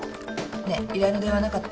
ねえ依頼の電話なかった？